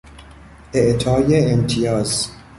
اعطای امتیاز